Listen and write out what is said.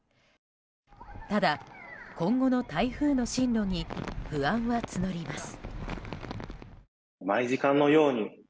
ただ、今後の台風の進路に不安は募ります。